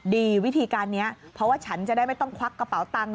วิธีการนี้เพราะว่าฉันจะได้ไม่ต้องควักกระเป๋าตังค